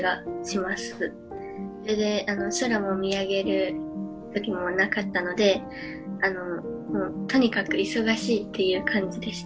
それで空を見上げる時もなかったのでとにかく忙しいっていう感じでした。